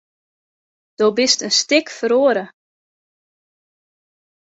Do bist in stik feroare.